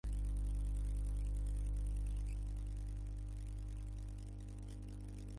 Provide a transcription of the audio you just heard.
إذا خاب داع أو تناهى دعاؤه